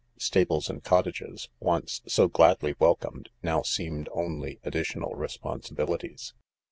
Stables and cottages, once so gladly welcomed, now seemed only additional responsibilities.